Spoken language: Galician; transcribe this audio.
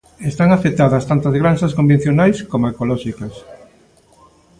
Están afectadas tanto granxas convencionais como ecolóxicas.